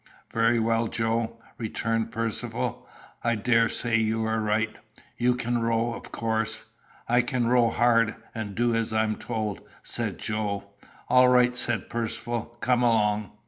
"Very well, Joe," returned Percivale, "I daresay you are right. You can row, of course?" "I can row hard, and do as I'm told," said Joe. "All right," said Percivale; "come along."